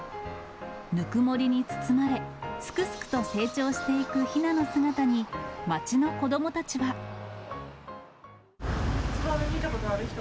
ぬくもりに包まれ、すくすくと成長していくひなの姿に、ツバメ見たことある人？